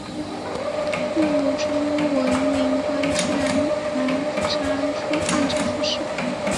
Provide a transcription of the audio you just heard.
父朱文云官至按察副使。